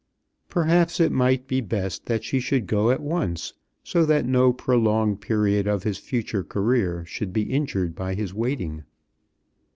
Perhaps it might be best that she should go at once, so that no prolonged period of his future career should be injured by his waiting.